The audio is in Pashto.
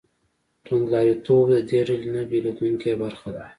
توندلاریتوب د دې ډلې نه بېلېدونکې برخه ده.